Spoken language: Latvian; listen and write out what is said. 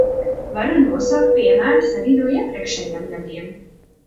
Var nosaukt piemērus arī no iepriekšējiem gadiem.